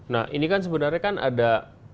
nah ini kan sebenarnya kan ada